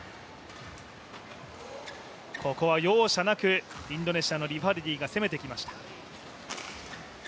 ここは容赦なくインドネシアのリファルディが攻めてきました。